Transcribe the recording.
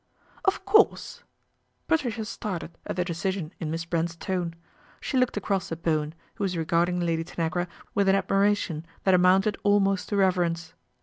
" Of course !" Patricia started at the de ion in Miss Brent's tone. She looked across at wen, who was regarding Lady Tanagra with an iration that amounted almost to reverence.